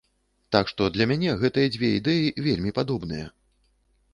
Так што для мяне гэтыя дзве ідэі вельмі падобныя.